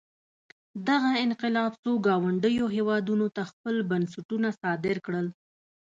دغه انقلاب څو ګاونډیو هېوادونو ته خپل بنسټونه صادر کړل.